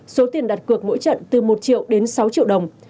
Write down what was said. số tiền đặt cược mỗi trận từ một triệu đến sáu triệu đồng